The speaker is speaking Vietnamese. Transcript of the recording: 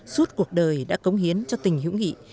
suốt cuộc đời đã cống hiến cho tình hữu nghị